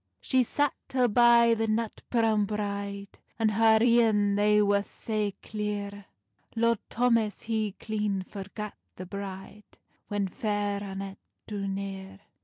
She sat her by the nut browne bride, And her een they wer sae clear, Lord Thomas he clean forgat the bride, When Fair Annet drew near.